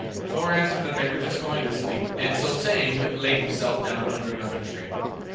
Thor answered that they were just going to sleep, and so saying went and laid himself down under another tree.